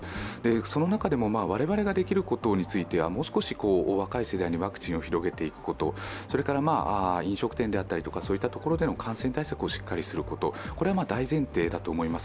その中でも我々ができることについてはもう少し若い世代にワクチンを広げていくこと、それから飲食店などでの感染対策をしっかりすること、これは大前提だと思います。